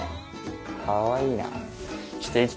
かわいいな。